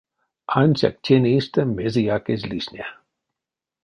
Ансяк тень эйстэ мезеяк эзь лисне.